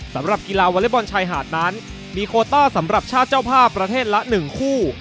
สำหรับกีฬาวอเล็กบอลชายหาดนั้นมีโคต้าสำหรับชาติเจ้าภาพประเทศละ๑คู่